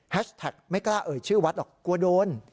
แท็กไม่กล้าเอ่ยชื่อวัดหรอกกลัวโดน